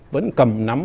vẫn cầm nắm